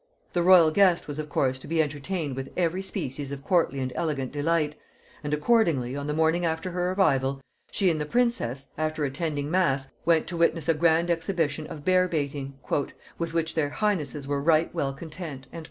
The royal guest was, of course, to be entertained with every species of courtly and elegant delight; and accordingly, on the morning after her arrival, she and the princess, after attending mass, went to witness a grand exhibition of bear bating, "with which their highnesses were right well content."